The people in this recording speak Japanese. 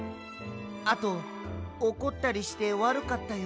あとおこったりしてわるかったよ。